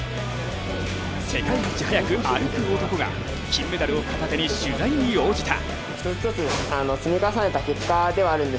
世界一速く歩く男が金メダルを片手に取材に応じた。